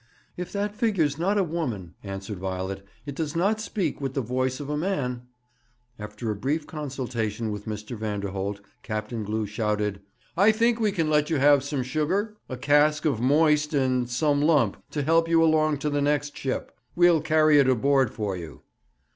'If that figure's not a woman,' answered Violet, 'it does not speak with the voice of a man.' After a brief consultation with Mr. Vanderholt, Captain Glew shouted: 'I think we can let you have some sugar a cask of moist, and some lump, to help you along to the next ship. We'll carry it aboard for you.'